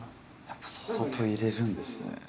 やっぱ相当入れるんですね。